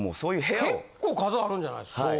結構数あるんじゃないですか。